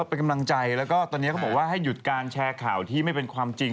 เป็นกำลังใจและให้หยุดการแชร์ข่าวที่ไม่เป็นความจริง